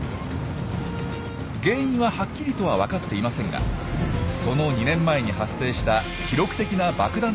原因ははっきりとは分かっていませんがその２年前に発生した記録的な爆弾